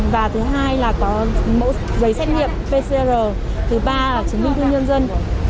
và thứ hai là có mẫu giấy xét nghiệm pcr thứ ba là chứng minh thư nhân dân